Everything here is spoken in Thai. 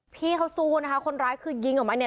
พี่เขาสู้นะคะคนร้ายคือยิงออกมาเนี่ย